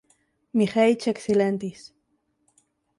Miĥeiĉ eksilentis.